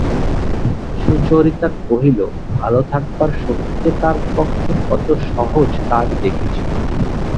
সুচরিতা কহিল, ভালো থাকবার শক্তি যে তাঁর পক্ষে কত সহজ তা আমি দেখেছি।